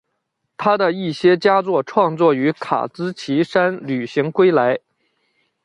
他的一些佳作创作于卡兹奇山旅行归来。